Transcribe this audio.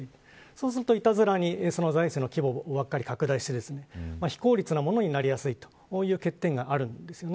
そうすると、いたずらに財政の規模だけを拡大して非効率なものになりやすいという欠点があります。